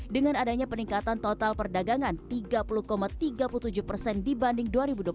dengan adanya peningkatan total perdagangan tiga puluh tiga puluh tujuh persen dibanding dua ribu dua puluh satu